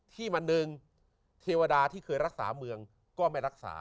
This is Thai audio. ที่วันหนึ่งเทวดาที่เคยรักษาเมืองก็ไม่รักษา